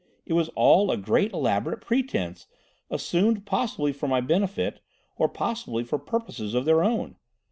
It was all a great elaborate pretence, assumed possibly for my benefit, or possibly for purposes of their own.